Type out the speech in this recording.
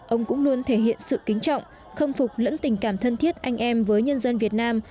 ông cũng luôn thể hiện sự kính trọng khâm phục lẫn tình cảm thân thiết anh em với nhân dân việt nam